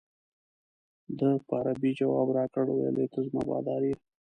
ده په عربي جواب راکړ ویل ته زما بادار یې.